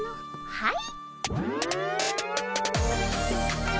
はい。